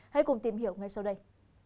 hãy cùng tìm hiểu ngay sau đây